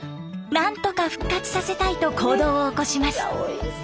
なんとか復活させたいと行動を起こします。